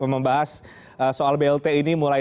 membahas soal blt ini mulai